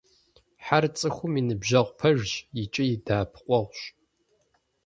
Хьэр – цӏыхум и ныбжьэгъу пэжщ икӏи и дэӏэпыкъуэгъущ.